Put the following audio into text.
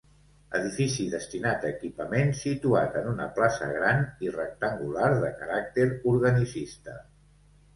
Edifici destinat a equipament, situat en una plaça gran i rectangular de caràcter organicista.